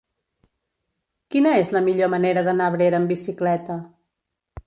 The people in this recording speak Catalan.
Quina és la millor manera d'anar a Abrera amb bicicleta?